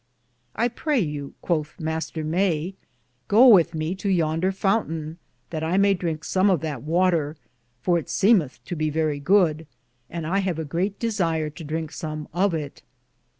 I praye you, cothe Mr. Maye, goe with me to yonder foun taine, that I may drinke som of that water, for it semethe to be verrie good, and I have a greate desier to drinke som of it.